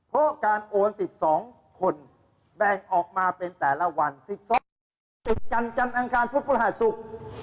เพราะการโอนสิทธิ์สองคนแบ่งออกมาเป็นแต่ละวันสิทธิ์สองคนติดกันกันอังคารพุทธภาษสุข